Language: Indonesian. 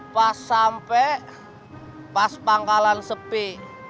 pas sampai pas pangkalan sepi